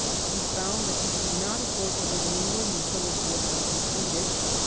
He found that he could not afford to live in England until his work was completed.